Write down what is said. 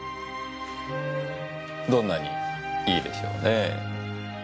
どんなにいいでしょうねぇ。